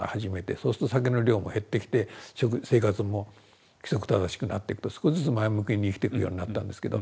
そうすると酒の量も減ってきて生活も規則正しくなっていくと少しずつ前向きに生きていくようになったんですけど。